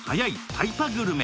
タイパグルメ！